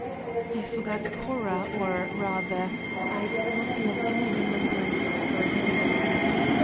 "I forgot Cora, or, rather, I did not let any remembrance of her hinder me.